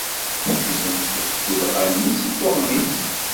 Yegzem-d tullɣa-nni seg uɣmis.